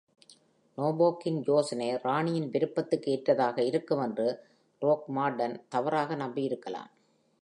நோர்போக்கின் யோசனை ராணியின் விருப்பத்திற்கு ஏற்றதாக இருக்கும் என்று த்ரோக்மார்டன் தவறாக நம்பியிருக்கலாம்.